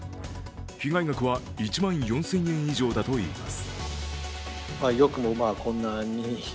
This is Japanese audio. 被害額は１万４０００円以上だといいます。